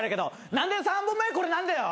何で３本目これなんだよ！